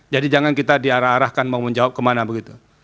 jadi jangan kita diarah arahkan mau menjawab kemana begitu